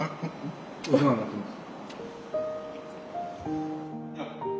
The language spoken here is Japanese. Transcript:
お世話になってます。